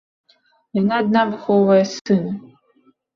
Яна адна выхоўвае сына.